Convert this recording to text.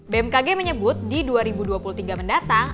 bmkg menyebut di dua ribu dua puluh tiga mendatang